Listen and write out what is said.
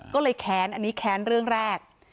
ก็เลยแค้นอันนี้แค้นเรื่องแรก